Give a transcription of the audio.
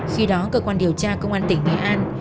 khi đó cơ quan điều tra công an tỉnh nghệ an